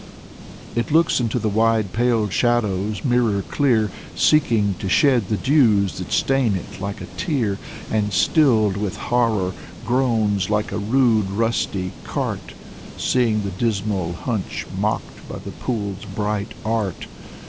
... It looks into the wide, pale shallows, mirror clear, Seeking to shed the dews that stain it like a tear; And stilled with horror, groans like a rude, rusty cart. Seeing the dismal hunch mocked by the pool's bright art.